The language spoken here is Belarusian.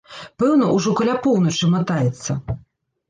Пэўна, ужо каля поўначы матаецца.